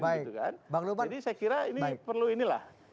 jadi saya kira ini perlu ini lah